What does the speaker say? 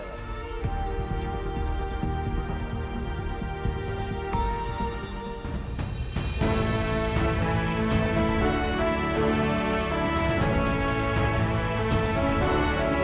aku memang tak seperti mereka